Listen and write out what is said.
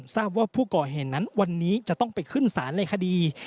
ทราบว่าผู้ก่อเหตุนั้นวันนี้จะต้องไปขึ้นศาลในคดี